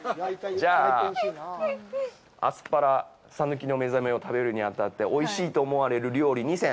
じゃあ、アスパラさぬきのめざめを食べるに当たっておいしいと思われる料理２選。